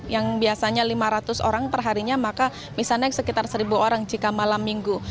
yang biasanya lima ratus orang perharinya maka bisa naik sekitar seribu orang jika malam minggu